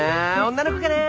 女の子かな？